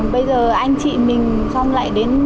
bây giờ anh chị mình xong lại đến